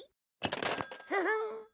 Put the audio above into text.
フフン。